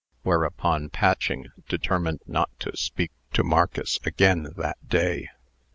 Whereupon Patching determined not to speak to Marcus again that day.